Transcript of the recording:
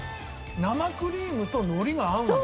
生クリームと海苔が合うんだよ。